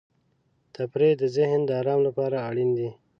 تفریح د ذهن د آرام لپاره اړین دی.